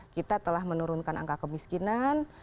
kita telah menurunkan angka kemiskinan